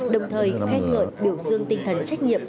đồng thời khen ngợi biểu dương tinh thần trách nhiệm